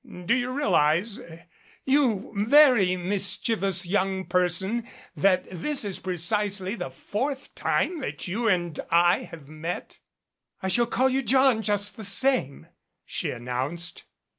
Do you realize, you very mischievous young person, that this is precisely the fourth time that you and I have met ?" "I shall call you John, just the same," she announced.